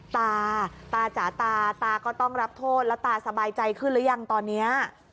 ตาตาจ๋าตาตาก็ต้องรับโทษแล้วตาสบายใจขึ้นหรือยังตอนนี้